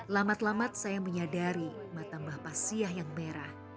lama lama saya menyadari mata mbah pasya yang merah